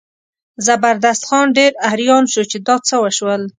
زبردست خان ډېر اریان شو چې دا څه وشول.